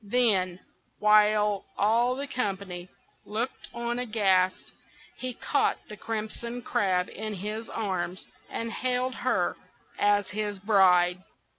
Then, while all the company looked on aghast, he caught the Crimson Crab in his arms, and hailed her as his bride.